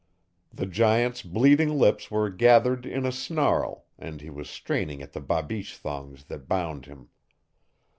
The giant's bleeding lips were gathered in a snarl and he was straining at the babiche thongs that bound him.